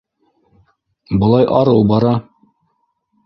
— Былай арыу бара.